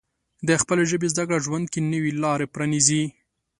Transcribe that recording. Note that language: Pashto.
د خپلې ژبې زده کړه ژوند کې نوې لارې پرانیزي.